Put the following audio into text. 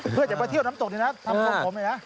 เพื่อนจะมาเที่ยวน้ำตกเลยนะตั้งความผมเลยนะ